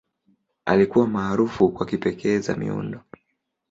Alikuwa maarufu kwa kipekee za miundo.